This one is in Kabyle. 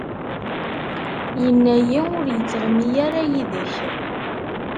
Yenna-yi ur yettɣmi ara yid-k.